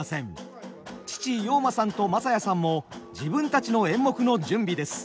父陽馬さんと正弥さんも自分たちの演目の準備です。